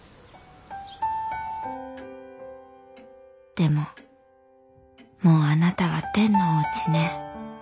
「でももうあなたは天のおうちね。